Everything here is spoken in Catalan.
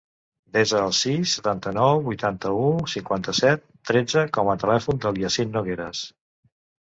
Desa el sis, setanta-nou, vuitanta-u, cinquanta-set, tretze com a telèfon del Yassin Nogueras.